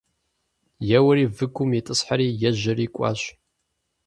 Еуэри выгум итӀысхьэри ежьэри кӀуащ.